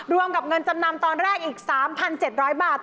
รวมกับเงินจำนำตอนแรกอีก๓๗๐๐บาท